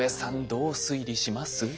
どう推理します？